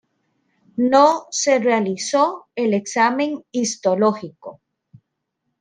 No se realizó el examen histológico.